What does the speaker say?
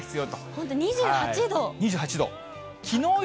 本当、２８度。